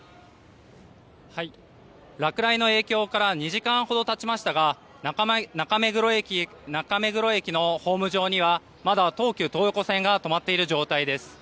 落雷の影響から２時間ほど経ちましたが中目黒駅のホーム上にはまだ東急東横線が止まっている状態です。